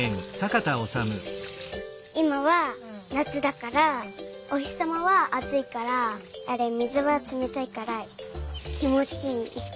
いまはなつだからおひさまはあついから水がつめたいからきもちいい。